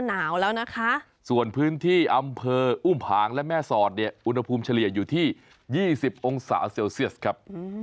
หนาวแล้วนะคะส่วนพื้นที่อำเภออุ้มผางและแม่สอดเนี่ยอุณหภูมิเฉลี่ยอยู่ที่๒๐องศาเซลเซียสครับ